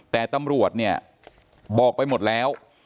แต่ตำรวจเนี่ยบอกไปหมดแล้ว